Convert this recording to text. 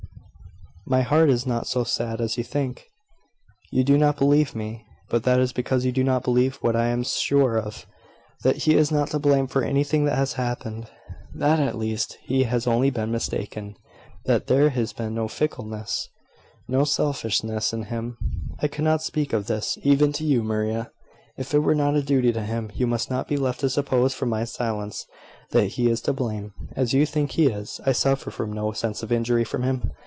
"My heart is not so sad as you think. You do not believe me: but that is because you do not believe what I am sure of that he is not to blame for anything that has happened that, at least, he has only been mistaken, that there his been no fickleness, no selfishness, in him. I could not speak of this, even to you, Maria, if it were not a duty to him. You must not be left to suppose from my silence that he is to blame, as you think he is. I suffer from no sense of injury from him.